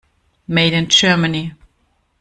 Made in Germany.